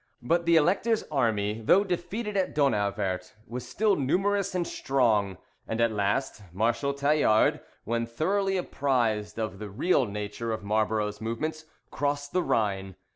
But the Elector's army, though defeated at Donauwert, was still numerous and strong; and at last Marshal Tallard, when thoroughly apprised of the real nature of Marlborough's movements, crossed the Rhine.